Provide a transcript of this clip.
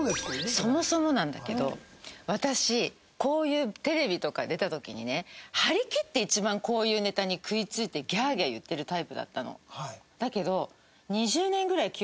そもそもなんだけど私こういうテレビとか出た時にね張り切って一番こういうネタに食い付いてギャーギャー言ってるタイプだったの。だけど。